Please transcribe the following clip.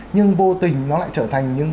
nhưng vô tình nó lại trở thành những